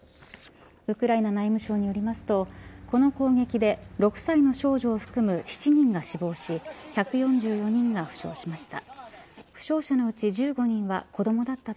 ウクライナ内務省によりますとこの攻撃で、６歳の少女を含む７人が死亡し１４４人が負傷しました。